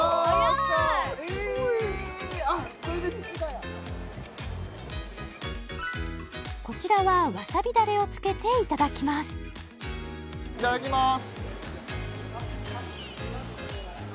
すごいあっそれでこちらはわさびダレをつけていただきますいただきます